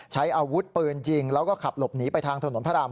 ใช้อาวุธปืนยิงแล้วก็ขับหลบหนีไปทางถนนพระราม